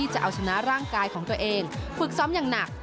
จะเอาชนะร่างกายของตัวเองฝึกซ้อมอย่างหนัก